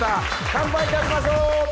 乾杯いたしましょう！